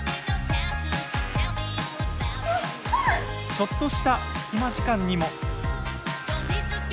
ちょっとした隙間時間にも。